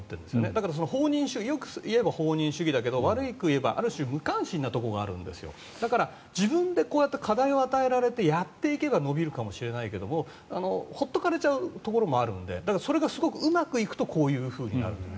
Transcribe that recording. だけどよく言えば放任主義だけど悪く言えばある種、無関心なところがあるんですよだから、自分でこうやって課題を与えられてやっていけば伸びるかもしれないけど放っておかれちゃうところもあるのでそれがすごくうまくいくとこうなる。